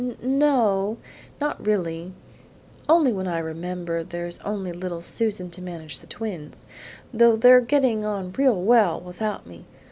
"No o; not really; only when I remember there's only little Susan to manage the twins; though they're getting on real well without me.